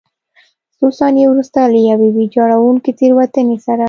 څو ثانیې وروسته له یوې ویجاړوونکې تېروتنې سره.